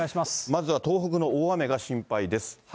まずは東北の大雨が心配です。